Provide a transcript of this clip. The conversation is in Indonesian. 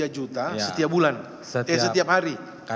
tiga juta setiap bulan